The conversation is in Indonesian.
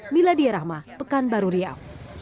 miladiyah rahma pekan baru riau